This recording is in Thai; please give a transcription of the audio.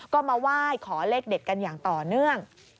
ก็มาไหว้ขอเลขเด็ดกันอย่างต่อเนื่อง